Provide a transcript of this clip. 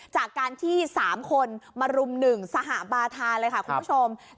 จากการที่สามคนมารุมหนึ่งสหบาทาเลยค่ะคุณผู้ชมครับ